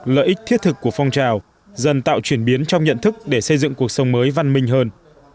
lợi ích thiết thực của phong trào dần tạo chuyển biến trong nhận thức để xây dựng cuộc sống mới văn minh hơn